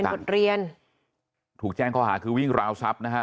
บทเรียนถูกแจ้งข้อหาคือวิ่งราวทรัพย์นะฮะ